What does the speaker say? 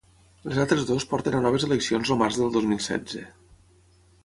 Les altres dues porten a noves eleccions el març del dos mil setze.